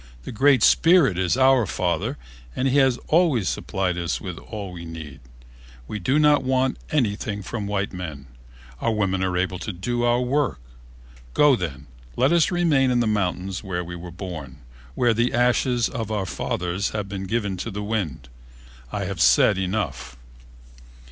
The Great Spirit is our father and he has always supplied us with all we need. We do not want anything from white men. Our women are able to do our work. Go, then. Let us remain in the mountains where we were born, where the ashes of our fathers have been given to the wind. I have said enough."